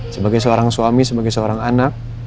sebagai seorang suami sebagai seorang anak